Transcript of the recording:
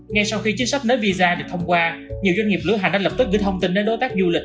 ngay sau khi chính sách nới visa được thông qua nhiều doanh nghiệp lưu hành đã lập tức gửi thông tin đến đối tác du lịch